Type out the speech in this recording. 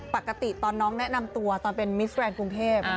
ปกติตอนน้องแนะนำตัวตอนเป็นมิสแกรนด์กรุงเทพ